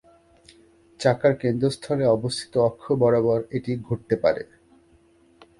চাকার কেন্দ্রস্থলে অবস্থিত অক্ষ বরাবর এটি ঘুরতে পারে।